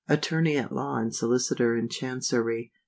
Attorney at Law and Solicitor in Chancery.